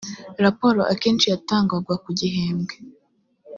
raporo akenshi yatangwaga ku gihembwe